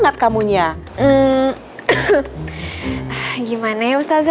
sekarang mas sarah fokus aja